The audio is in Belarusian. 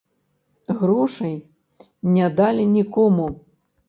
Грошай не далі нікому.